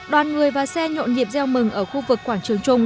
đoàn người và xe nhộn nhịp gieo mừng ở khu vực quảng trường trung